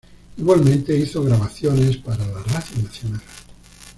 Igualmente, hizo grabaciones para la radio nacional.